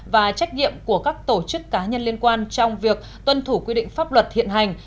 và trách nhiệm của các tổ chức cá nhân liên quan trong việc tuân thủ quy định pháp luật hiện hành